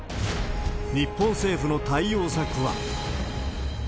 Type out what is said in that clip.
日本政府の対応策は。